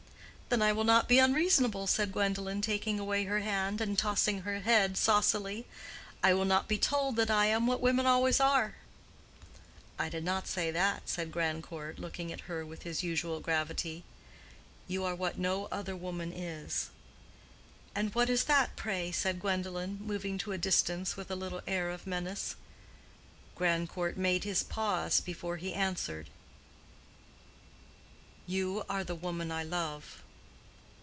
"Then I will not be unreasonable," said Gwendolen, taking away her hand and tossing her head saucily. "I will not be told that I am what women always are." "I did not say that," said Grandcourt, looking at her with his usual gravity. "You are what no other woman is." "And what is that, pray?" said Gwendolen, moving to a distance with a little air of menace. Grandcourt made his pause before he answered. "You are the woman I love."